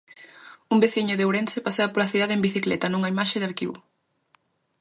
Un veciño de Ourense pasea pola cidade en bicicleta, nunha imaxe de arquivo.